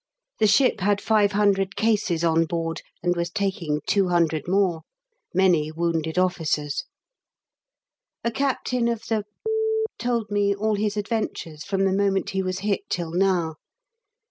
The ship had 500 cases on board, and was taking 200 more many wounded officers. A captain of the told me all his adventures from the moment he was hit till now.